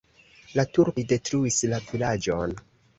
La turkoj detruis la vilaĝon.